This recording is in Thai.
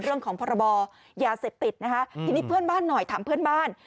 พรบยาเสพติดนะคะทีนี้เพื่อนบ้านหน่อยถามเพื่อนบ้าน